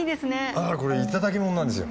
あこれ頂き物なんですよ。